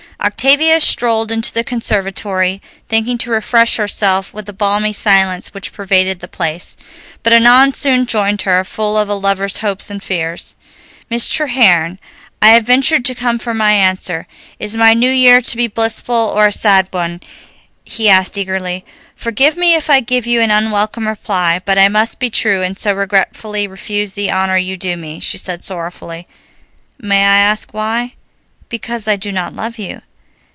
Octavia strolled into the conservatory, thinking to refresh herself with the balmy silence which pervaded the place, but Annon soon joined her, full of a lover's hopes and fears. "Miss Treherne, I have ventured to come for my answer. Is my New Year to be a blissful or a sad one?" he asked eagerly. "Forgive me if I give you an unwelcome reply, but I must be true, and so regretfully refuse the honor you do me," she said sorrowfully. "May I ask why?" "Because I do not love you."